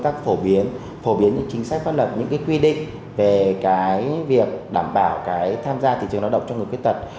các phổ biến phổ biến những chính sách phát lập những quy định về việc đảm bảo tham gia thị trường lao động cho người khuyết tật